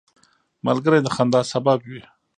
ملګری د خندا سبب وي